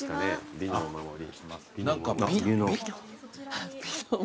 美のお守り。